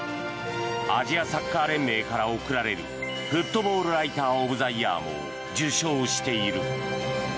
アジアサッカー連盟から贈られるフットボール・ライター・オブ・ザ・イヤーも受賞している。